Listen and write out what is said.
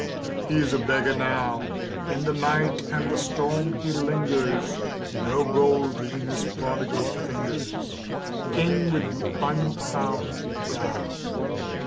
He is a beggar now. In the night and the storm he lingers, No gold in his prodigal fingers, King with the uncrowned brow.